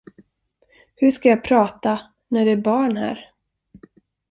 Hur ska jag prata när det är barn här?